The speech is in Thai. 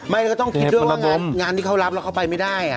ไม่ต้องคิดด้วยว่างานที่เขารับแล้วเขาไปไม่ได้